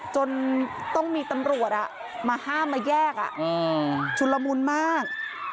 จนต้องมีตำรวจมาห้ามมาแยกชุนละมุนมาก